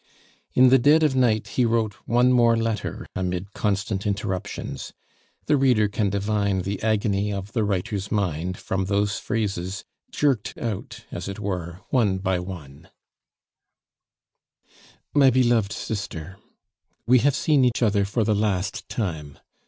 In the dead of night he wrote one more letter amid constant interruptions; the reader can divine the agony of the writer's mind from those phrases, jerked out, as it were, one by one: "MY BELOVED SISTER, We have seen each other for the last time.